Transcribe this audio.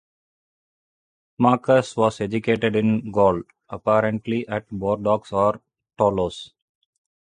Symmachus was educated in Gaul, apparently at Bordeaux or Toulouse.